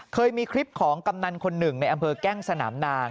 เคยมีคลิปของกำนันคนหนึ่งในอำเภอแก้งสนามนาง